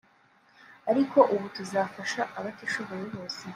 ariko ubu tuzafasha abatishoboye bose